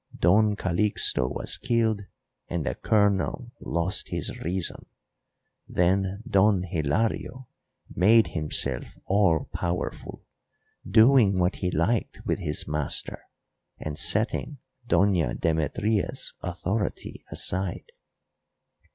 _ Don Calixto was killed and the Colonel lost his reason, then Don Hilario made himself all powerful, doing what he liked with his master, and setting Doña Demetria's authority aside.